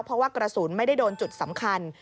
เพราะว่ากระสุนไม่ได้โดนจุดสำคัญ